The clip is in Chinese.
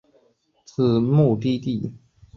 目前总部所在地为巴拿马城。